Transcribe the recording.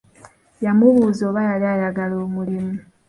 Yamubuuza oba yali ayagala omulimu.